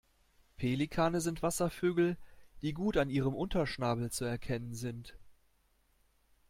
Pelikane sind Wasservögel, die gut an ihrem Unterschnabel zu erkennen sind.